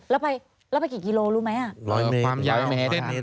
แล้วไปเกี่ยวกิโลรู้ไหมอ่ะ๑๐๐เมตร